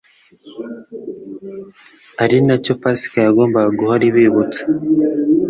ari nacyo Pasika yagombaga guhora ibibutsa.